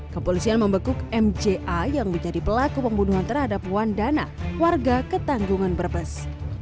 kepolisian membekuk mja yang menjadi pelaku pembunuhan terhadap wan dana warga ketanggungan berpes